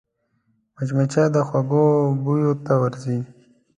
مچمچۍ د خوږو بویو ته ورځي